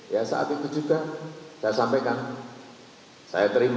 ya saat itu juga saya sampaikan saya terima